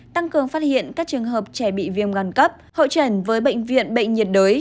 tăng cường phát hiện các trường hợp trẻ bị viêm gan cấp hội trẩn với bệnh viện bệnh nhiệt đới